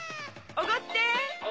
おごって♥